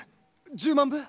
１０万部？